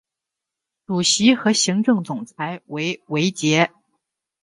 主席和行政总裁为韦杰。